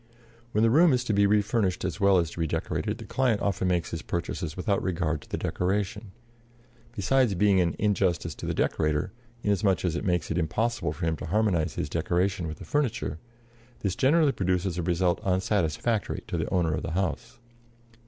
When the room is to be refurnished as well as redecorated the client often makes his purchases without regard to the decoration. Besides being an injustice to the decorator, inasmuch as it makes it impossible for him to harmonize his decoration with the furniture, this generally produces a result unsatisfactory to the owner of the house.